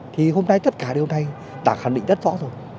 thì hôm nay tất cả điều này đã khẳng định rất rõ rồi